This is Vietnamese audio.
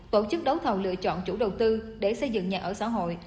tổ chức đấu thầu lựa chọn chủ đầu tư để xây dựng nhà ở xã hội